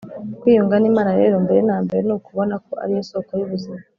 kwiyunga n’imana rero mbere na mbere ni ukubona ko ari yo soko y’ubuzima